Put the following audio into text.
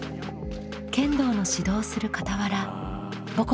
剣道の指導をするかたわら母国